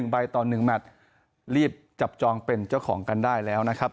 ใบต่อ๑แมทรีบจับจองเป็นเจ้าของกันได้แล้วนะครับ